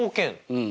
うん。